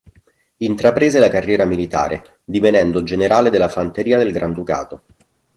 Intraprese la carriera militare divenendo Generale della fanteria del Granducato.